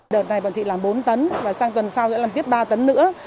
đợt này bọn chị làm bốn tấn và sang tuần sau sẽ làm tiếp ba tấn nữa